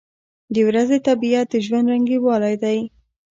• د ورځې طبیعت د ژوند رنګینوالی دی.